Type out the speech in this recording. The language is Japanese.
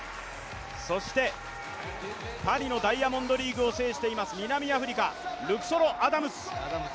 そしてパリのダイヤモンドリーグを制しています、南アフリカ、ルクソロ・アダムス。